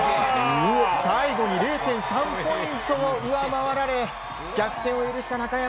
最後に０．３ポイントを上回られ逆転を許した中山。